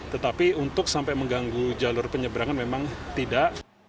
tetapi untuk sampai mengganggu jalur penyeberangan memang tidak